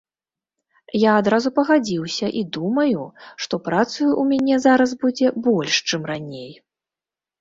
Я адразу пагадзіўся і думаю, што працы ў мяне зараз будзе больш, чым раней.